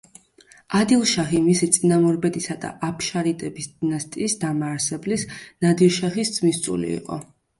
ადილ-შაჰი მისი წინამორბედისა და აფშარიდების დინასტიის დამაარსებლის ნადირ-შაჰის ძმისწული იყო.